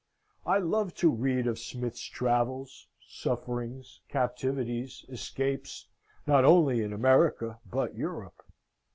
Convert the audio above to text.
I loved to read of Smith's travels, sufferings, captivities, escapes, not only in America but Europe.